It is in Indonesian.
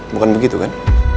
bukan begitu kan